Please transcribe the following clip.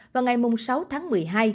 vào ngày sáu tháng một mươi hai